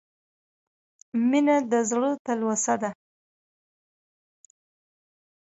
• مینه د زړه تلوسه ده.